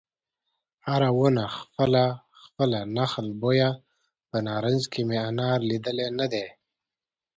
هره ونه خپله خپله نخل بویه په نارنج کې مې انار لیدلی نه دی